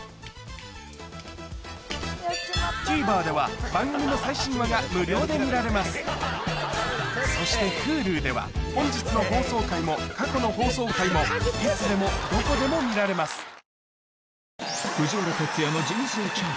ＴＶｅｒでは番組の最新話が無料で見られますそしてＨｕｌｕでは本日の放送回も過去の放送回もいつでもどこでも見られます